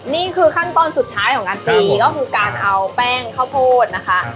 นี่คือขั้นตอนสุดท้ายของการตีก็คือการเอาแป้งข้าวโพดนะคะ